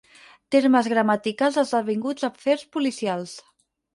Termes gramaticals esdevinguts afers policials.